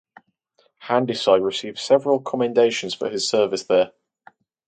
Handyside received several commendations for his service there.